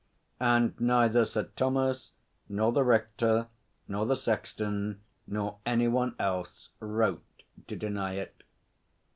And neither Sir Thomas nor the Rector nor the sexton nor any one else wrote to deny it.